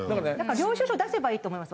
領収書出せばいいと思います